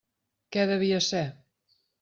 Què devia ser?